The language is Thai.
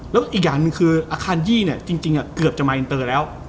แล้วอีกอย่างหนึ่งคืออาคารยี่เนี่ยจริงเกือบจะมาอินเตอร์แล้ว